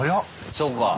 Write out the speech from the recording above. そうか。